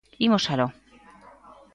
Imos aló!